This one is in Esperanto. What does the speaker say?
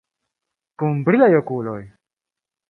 Kun brilaj okuloj!